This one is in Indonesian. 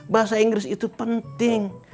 bahasa inggris itu penting